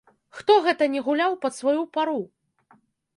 Хто гэта не гуляў пад сваю пару?